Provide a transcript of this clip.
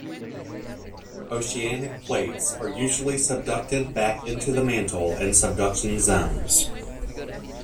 Oceanic plates are usually subducted back into the mantle in subduction zones.